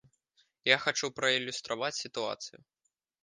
Я хачу праілюстраваць сітуацыю.